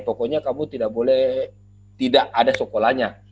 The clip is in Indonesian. pokoknya kamu tidak boleh tidak ada sekolahnya